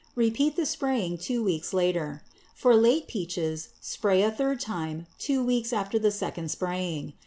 Repeat the spraying two weeks later. For late peaches spray a third time two weeks after the second spraying.